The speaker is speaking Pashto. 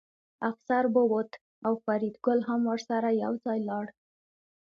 افسر ووت او فریدګل هم ورسره یوځای لاړ